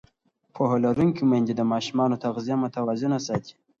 پوهه لرونکې میندې د ماشومانو تغذیه متوازنه ساتي.